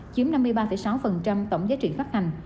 chiếm năm mươi ba sáu tổng giá trị phát hành